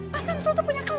pak samsul tuh punya